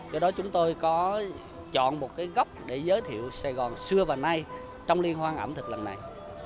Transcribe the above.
do đó chúng tôi có chọn một cái gốc để giới thiệu sài gòn xưa và nay trong liên hoan ẩm thực lần này